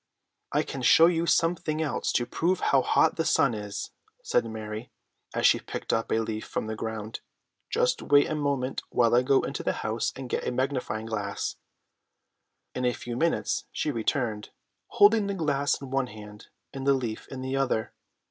"I can show you something else to prove how hot the sun is," said Mary, as she picked up a leaf from the ground. "Just wait a moment while I go into the house and get a magnifying glass." In a few minutes she returned, holding the glass in one hand and the leaf in the other.